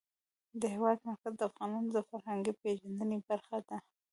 د هېواد مرکز د افغانانو د فرهنګي پیژندنې برخه ده.